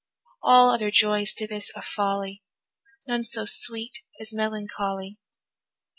All other joys to this are folly, None so sweet as melancholy.